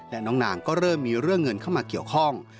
และน้องนางก็เริ่มมีเรื่องเงินเข้ามาเกี่ยวข้อง